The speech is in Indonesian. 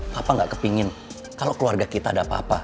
papa nggak kepingin kalau keluarga kita ada apa apa